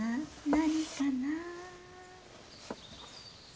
何かな？